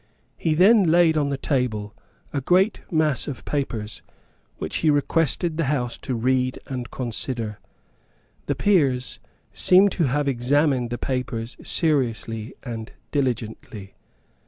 He then laid on the table a great mass of papers, which he requested the House to read and consider. The Peers seem to have examined the papers seriously and diligently.